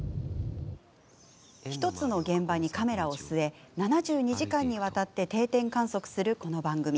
１つの現場にカメラを据え７２時間にわたって定点観測するこの番組。